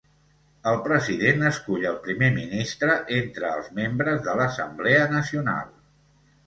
El President escull el Primer Ministre entre els membres de l'Assemblea Nacional.